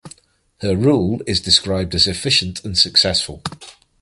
Her rule is described as efficient and successful.